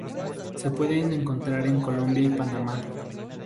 Se pueden encontrar en Colombia y Panamá.